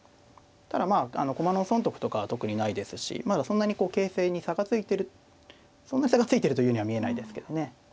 ただまあ駒の損得とかは特にないですしまだそんなに形勢に差がついてるというふうには見えないですけどね。